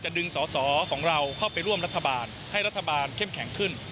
ดึงสอสอของเราเข้าไปร่วมรัฐบาลให้รัฐบาลเข้มแข็งขึ้น